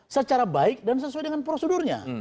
secara baik dan sesuai dengan prosedurnya